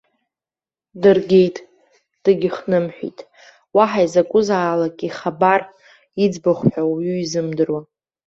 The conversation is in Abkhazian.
Дыргеит, дагьыхнымҳәит, уаҳа изакәызаалак ихабар, иӡбахә ҳәа уаҩы изымдыруа.